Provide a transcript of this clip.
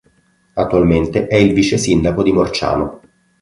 Attualmente è il vicesindaco di Morciano.